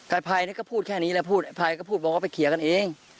ก็ไม่รู้แต่พายนี่ก็พูดแค่นี้แหละพูดพายก็พูดบอกว่าไปเขียนกันเอง